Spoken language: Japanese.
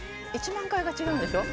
『１万回』が違うんでしょ？